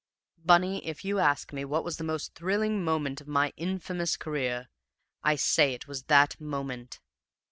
"Bunny, if you ask me what was the most thrilling moment of my infamous career, I say it was that moment.